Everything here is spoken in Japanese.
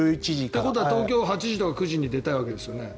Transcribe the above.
ということは東京を８時とか９時に出たいよね。